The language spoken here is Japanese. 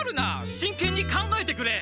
しんけんに考えてくれ！